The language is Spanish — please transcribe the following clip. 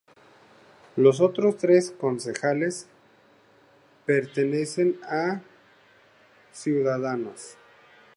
Los otros tres concejales pertenecen a Ciudadanos.